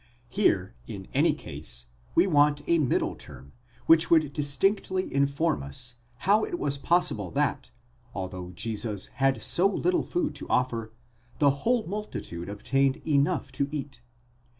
Here, in any case, we want a middle term, which would dis tinctly inform us, how it was possible that, although Jesus had so little food to offer, the whole multitude obtained enough to eat.